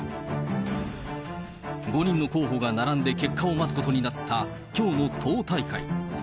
５人の候補が並んで結果を待つことになった、きょうの党大会。